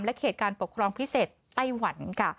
และเขตการปกครองพิเศษไต้หวัน